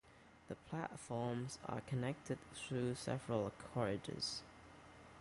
The platforms are connected through several corridors.